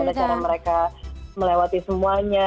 bagaimana cara mereka melewati semuanya